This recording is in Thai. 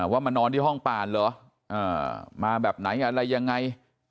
มานอนที่ห้องป่านเหรอมาแบบไหนอะไรยังไง